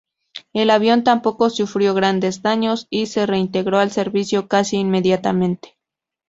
El avión tampoco sufrió grandes daños y se reintegró al servicio casi inmediatamente.